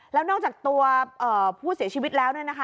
แล้วนอกจากตัวเอ่อผู้เสียชีวิตแล้วเนี้ยนะคะ